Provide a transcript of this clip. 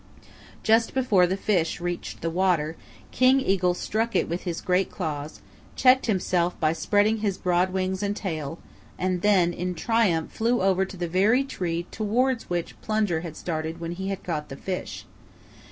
Just before the fish reached the water King Eagle struck it with his great claws, checked himself by spreading his broad wings and tail, and then in triumph flew over to the very tree towards which Plunger had started when he had caught the fish.